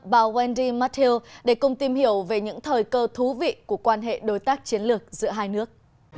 bà wendy mathio để cùng tìm hiểu về những thời cơ thú vị của quan hệ đối tác chiến lược giữa hai nước